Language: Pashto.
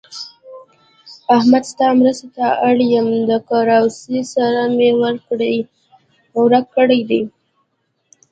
احمده! ستا مرستې ته اړ يم؛ د کلاوې سر مې ورک کړی دی.